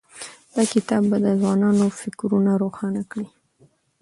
دا کتاب به د ځوانانو فکرونه روښانه کړي.